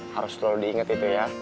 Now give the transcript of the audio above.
harus selalu diingat itu ya